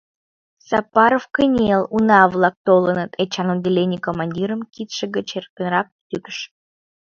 — Сапаров, кынел, уна-влак толыныт, - Эчан отделений командирым кидше гыч эркынрак тӱкыш.